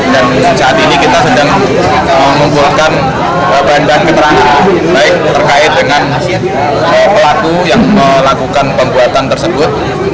dan saat ini kita sedang membuatkan perbaikan keterangan baik terkait dengan pelaku yang melakukan pembuatan tersebut